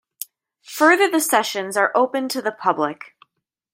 Further the sessions are open to the public.